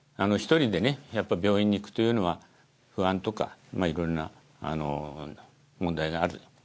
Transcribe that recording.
１人でねやっぱ病院に行くというのは不安とかいろんな問題がある。